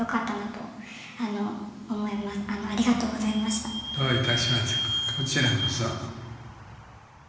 どういたしましてこちらこそ。